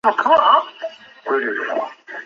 格普费尔斯多夫是德国图林根州的一个市镇。